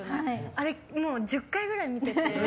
あれ、１０回ぐらい見てて。